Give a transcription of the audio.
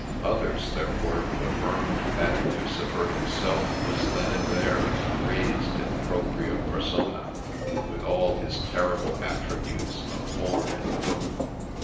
Others there were who affirmed that Lucifer himself was then and there raised in proprid persond, with all his terrible attributes of horn and hoof.